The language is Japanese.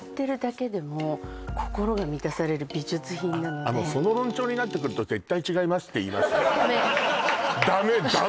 でもその論調になってくると絶対違いますって言いますダメダメ？